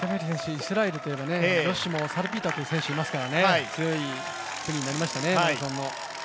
イスラエルといえば、女子もサルピーターという選手いますからね強い国になりましたね、マラソン。